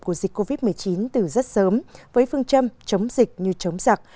của dịch covid một mươi chín từ rất sớm với phương châm chống dịch như chống giặc